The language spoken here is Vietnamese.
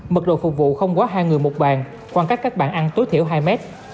mật độ phục vụ không quá hai người một bàn quan cách các bạn ăn tối thiểu hai mét